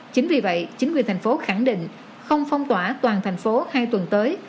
chính vì vậy chính quyền thành phố khẳng định không phong tỏa toàn thành phố hai tuần tới